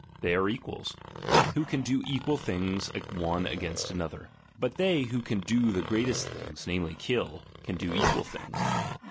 They are equals, who can do equal things chap. i. one against the other ; hut they who can do the '■ greatest things, namely, kill, can do equal things.